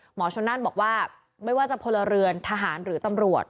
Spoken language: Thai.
หมอชนนั่นบอกว่าไม่ว่าจะพลเรือนทหารหรือตำรวจ